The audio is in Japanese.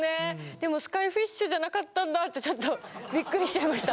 でもスカイフィッシュじゃなかったんだってちょっとびっくりしちゃいました。